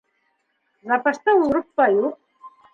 Запаста ул группа юҡ.